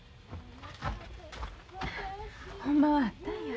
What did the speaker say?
ほんまはあったんや。